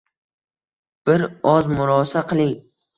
Bir oz murosa qiling.